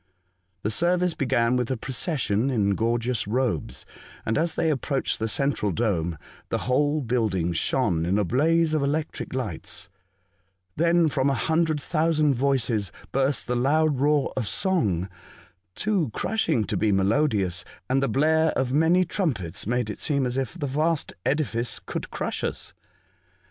The service began with a procession in gorgeous robes, and as they approached the central dome, the whole building shone in a blaze of electric lights; then from a hundred thousand voices burst the loud roar of song (too crushing to be melodious), and the blare of many trumpets made it seem as if the vast edifice could crush us.